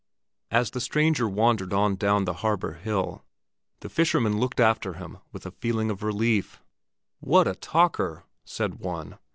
As the stranger wandered on down the harbor hill, the fishermen looked after him with a feeling of relief. "What a talker!" said one.